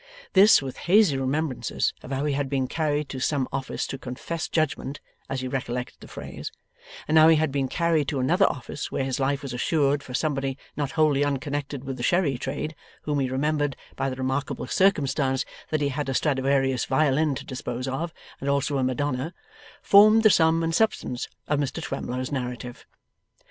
This, with hazy remembrances of how he had been carried to some office to 'confess judgment' (as he recollected the phrase), and how he had been carried to another office where his life was assured for somebody not wholly unconnected with the sherry trade whom he remembered by the remarkable circumstance that he had a Straduarius violin to dispose of, and also a Madonna, formed the sum and substance of Mr Twemlow's narrative.